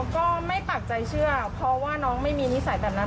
ก็ไม่ปากใจเชื่อเพราะว่าน้องไม่มีนิสัยแบบนั้น